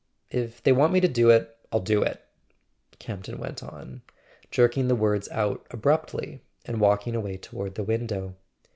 "If they want me to do it, I'll do it," Campton went on, jerking the words out abruptly and walking away toward the window.